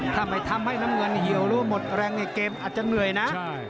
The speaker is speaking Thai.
ทำไมทำให้น้ำเงินเหี่ยวตัวแรงไปเกมอาจจะเหนื่อยนะ